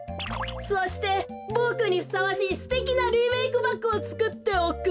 そしてボクにふさわしいすてきなリメークバッグをつくっておくれ。